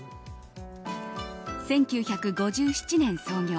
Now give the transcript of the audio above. １９５７年創業。